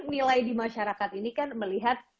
nilai di masyarakat ini kan melihat